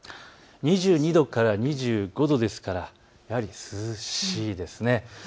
２２度から２５度ですからやはり涼しいですね。